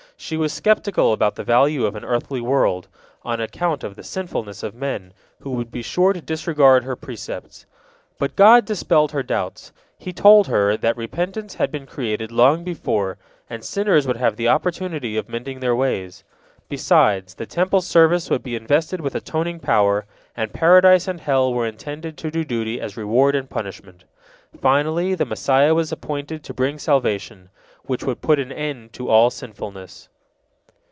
She was skeptical about the value of an earthly world, on account of the sinfulness of men, who would be sure to disregard her precepts. But God dispelled her doubts. He told her, that repentance had been created long before, and sinners would have the opportunity of mending their ways. Besides, the Temple service would be invested with atoning power, and Paradise and hell were intended to do duty as reward and punishment. Finally, the Messiah was appointed to bring salvation, which would put an end to all sinfulness.